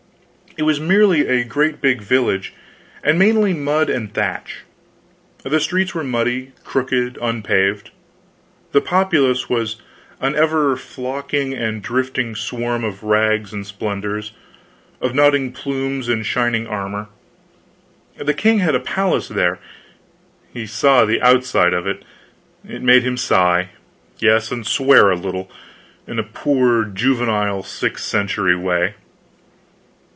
It was merely a great big village; and mainly mud and thatch. The streets were muddy, crooked, unpaved. The populace was an ever flocking and drifting swarm of rags, and splendors, of nodding plumes and shining armor. The king had a palace there; he saw the outside of it. It made him sigh; yes, and swear a little, in a poor juvenile sixth century way.